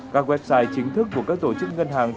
các website chính thức của các tổ chức ngân hàng